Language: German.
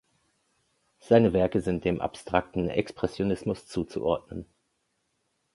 Seine Werke sind dem abstrakten Expressionismus zuzuordnen.